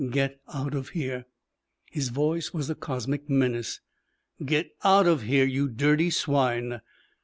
"Get out of here!" His voice was a cosmic menace. "Get out of here, you dirty swine.